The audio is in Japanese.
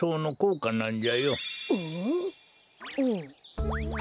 うん。